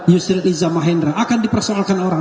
yusri dizam mahendra akan dipersoalkan orang